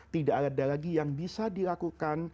tidak ada lagi yang bisa dilakukan